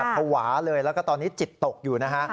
ภาวะเลยแล้วก็ตอนนี้จิตตกอยู่นะฮะ